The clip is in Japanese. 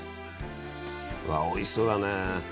わおいしそうだね。